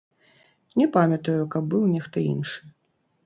Не памятаю, каб быў нехта іншы.